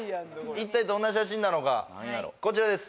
一体どんな写真なのかこちらです！